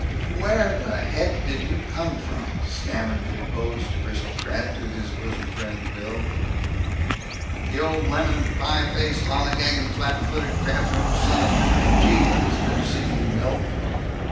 "Wwwwwwwwwwwwwwwwwwwwwwwwwwwhy where the heck did you come from?" stammered the deposed aristocrat to his bosom friend Bill. "You old lemon pie faced, lollygagging, flap footed, crab nosed son of misery, gee, but it's good to see you, Milt!"